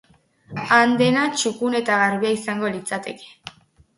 Han dena txukun eta garbia izango litzateke.